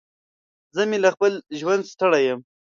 زه مې له خپل ژونده ستړی يم.